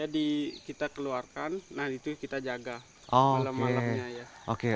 dia kita keluarkan nah itu kita jaga malam malamnya